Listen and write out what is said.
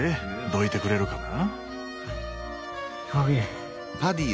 どいてくれるかな？